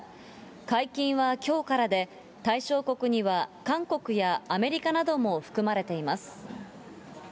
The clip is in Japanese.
解禁はきょうからで、対象国には韓国やアメリカなども含まれています。